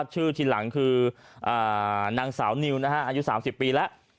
ชื่อทีหลังคือนางสาวนิวนะฮะอายุ๓๐ปีแล้ว